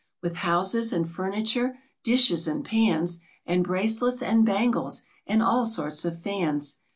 With houses and furniture, dishes and pans, And bracelets and bangles, and all sorts of fans.